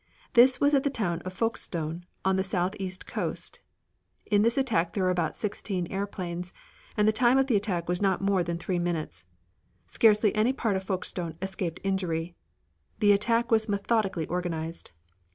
This was at the town of Folkestone on the southeast coast. In this attack there were about sixteen airplanes, and the time of the attack was not more than three minutes. Scarcely any part of Folkestone escaped injury. The attack was methodically organized.